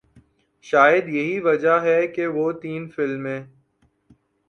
شاید یہی وجہ ہے کہ وہ تین فلمیں